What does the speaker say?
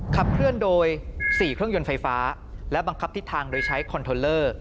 ขับเคลื่อนโดย๔เครื่องยนต์ไฟฟ้าและบังคับทิศทางโดยใช้คอนเทลเลอร์